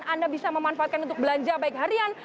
anda bisa memanfaatkan untuk belanja baik harian